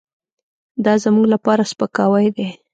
دازموږ لپاره سپکاوی دی .